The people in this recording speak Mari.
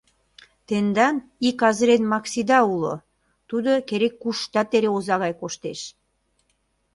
Тендан ик азырен Максида уло, тудо керек-куштат эре оза гай коштеш.